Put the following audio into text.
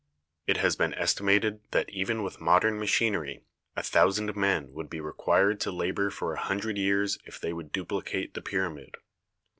It has been estimated that even with modern machinery a thousand men would be required to labour for a hundred years if they would duplicate the pyramid.